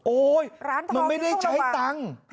มันไม่ได้ใช้ตังค์